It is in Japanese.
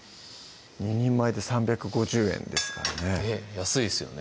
２人前で３５０円ですからね安いですよね